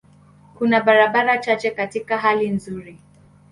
Kuna barabara chache katika hali nzuri.